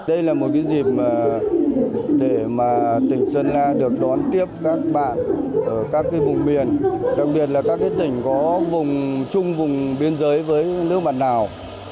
đây là một dịp để mà tỉnh sơn la được đón tiếp các bạn ở các vùng biển đặc biệt là các tỉnh có vùng chung vùng biên giới với nước bạn lào